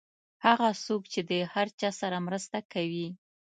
هغه څوک چې د هر چا سره مرسته کوي.